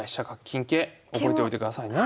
覚えといてくださいね。